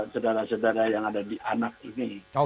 sedara sedara yang ada di anak itu